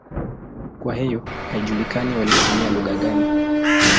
Kwa hiyo haijulikani walitumia lugha gani.